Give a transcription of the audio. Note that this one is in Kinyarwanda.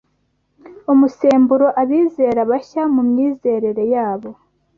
umusemburo abizera bashya mu myizerere yabo